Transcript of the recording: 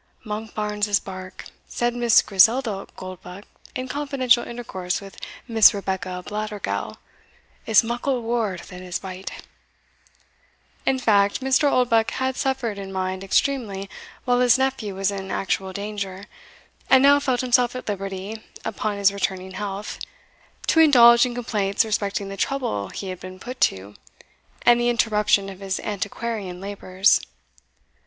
"Monkbarns's bark," said Miss Griselda Oldbuck, in confidential intercourse with Miss Rebecca Blattergowl, "is muckle waur than his bite." In fact, Mr. Oldbuck had suffered in mind extremely while his nephew was in actual danger, and now felt himself at liberty, upon his returning health, to indulge in complaints respecting the trouble he had been put to, and the interruption of his antiquarian labours.